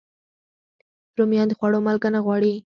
رومیان د خوړو مالګه نه غواړي